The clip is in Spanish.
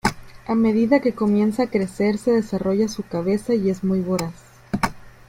A medida que comienza a crecer se desarrolla su cabeza y es muy voraz.